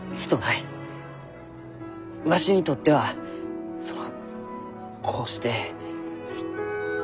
わしにとってはそのこうして。